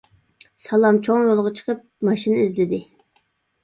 سالام چوڭ يولغا چىقىپ، ماشىنا ئىزدىدى.